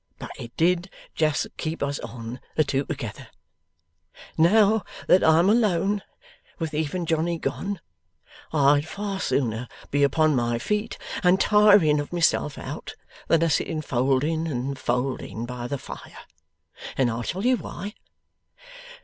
But it did just keep us on, the two together. Now that I'm alone with even Johnny gone I'd far sooner be upon my feet and tiring of myself out, than a sitting folding and folding by the fire. And I'll tell you why.